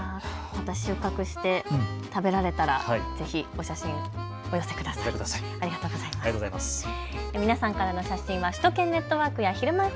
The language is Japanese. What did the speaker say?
また収穫して食べられたらぜひお写真、お寄せください。